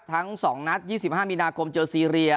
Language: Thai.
ทั้ง๒นัด๒๕มีนาคมเจอซีเรีย